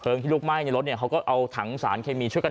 เพลิงที่ลุกไหม้ในรถเขาก็เอาถังสารเคมีช่วยกัน